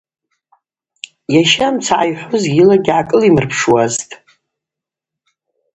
Йаща мцы ъайхӏвуз йыла гьгӏакӏылимырпшуазтӏ.